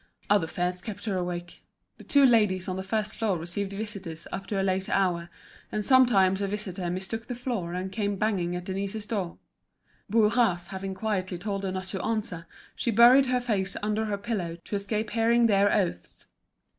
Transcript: Other fears kept her awake. The two ladies on the first floor received visitors up to a late hour; and sometimes a visitor mistook the floor and came banging at Denise's door. Bourras having quietly told her not to answer, she buried her face under her pillow to escape hearing their oaths.